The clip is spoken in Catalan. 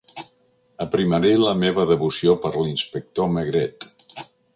Aprimaré la meva devoció per l'inspector Maigret.